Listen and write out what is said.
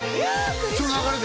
その流れで？